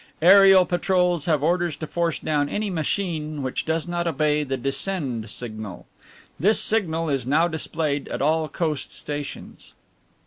Aerial patrols have orders to force down any machine which does not obey the 'Descend' signal. This signal is now displayed at all coast stations."